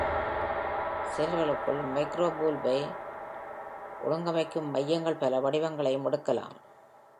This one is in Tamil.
செல்களுக்குள் , மைக்ரோடூபூல்யை-ஒழுங்கமைக்கும் மையங்கள் பல வடிவங்களை எடுக்கலாம்.